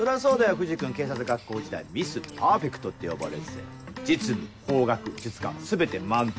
藤君警察学校時代「ミス・パーフェクト」って呼ばれてて実務法学術科全て満点。